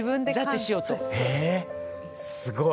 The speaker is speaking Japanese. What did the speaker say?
えすごい。